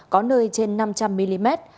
có nơi trên năm trăm linh mm